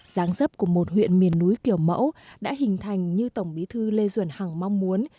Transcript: giáng dấp của một huyện miền núi kiểu mẫu đã hình thành như tổng bí thư lê duẩn hằng mong muốn